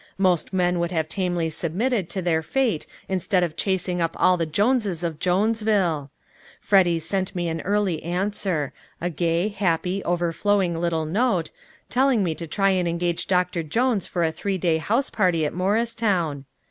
Most men would have tamely submitted to their fate instead of chasing up all the Joneses of Jonesville! Freddy sent me an early answer a gay, happy, overflowing little note telling me to try and engage Doctor Jones for a three day house party at Morristown.